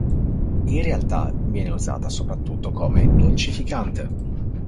In realtà viene usato soprattutto come dolcificante.